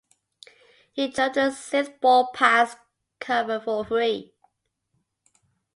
He drove the sixth ball past cover for three.